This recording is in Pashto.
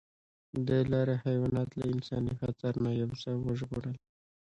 دې لارې حیوانات له انساني خطر نه یو څه وژغورل.